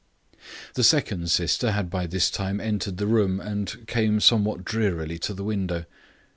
The second sister had by this time entered the room and came somewhat drearily to the window.